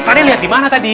pak de lihat di mana tadi